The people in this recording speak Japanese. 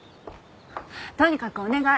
とにかくお願い。